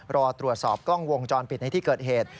รอตรวจสอบกล้องวงจรปิดในที่เกิดเหตุ